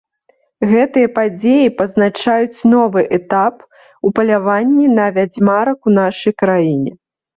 Гэтыя падзеі пазначаюць новы этап у паляванні на вядзьмарак у нашай краіне.